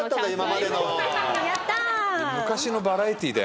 昔のバラエティーだよ。